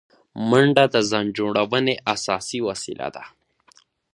منډه د ځان جوړونې اساسي وسیله ده